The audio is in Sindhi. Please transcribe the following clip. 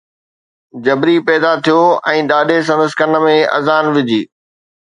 جبري پيدا ٿيو ۽ ڏاڏي سندس ڪن ۾ اذان وجھي